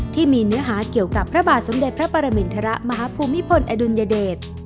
ที่มีเนื้อหาเกี่ยวกับพระบาทสมเด็จพระปรมินทรมาฮภูมิพลอดุลยเดช